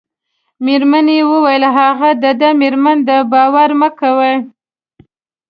مېرمنې یې وویل: هغه د ده مېرمن ده، باور مه کوئ.